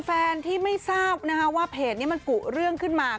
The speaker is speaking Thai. แฟนที่ไม่ทราบนะคะว่าเพจนี้มันกุเรื่องขึ้นมา